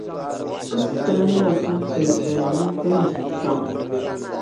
O situra nyɛla tampiɛl’ viɛlli mini tan’ ʒiɛkpeein.